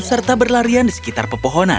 serta berlarian di sekitar pepohonan